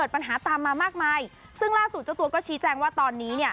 ปัญหาตามมามากมายซึ่งล่าสุดเจ้าตัวก็ชี้แจงว่าตอนนี้เนี่ย